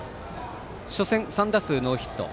初戦、３打数ノーヒット。